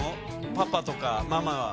パパとかママは。